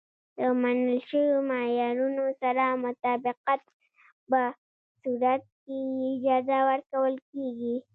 د منل شویو معیارونو سره مطابقت په صورت کې یې اجازه ورکول کېږي.